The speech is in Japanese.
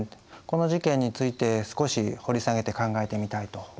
この事件について少し掘り下げて考えてみたいと思います。